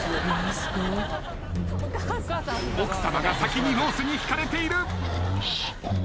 奥さまが先にロースに引かれている。